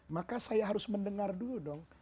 maka saya harus mendengar dulu dong